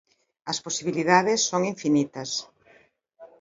As posibilidades son infinitas.